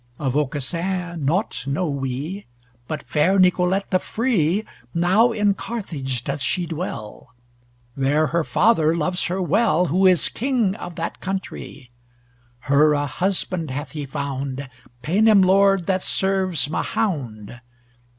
Of Aucassin nought know we, But fair Nicolete the free Now in Carthage doth she dwell, There her father loves her well, Who is king of that countrie. Her a husband hath he found, Paynim lord that serves Mahound!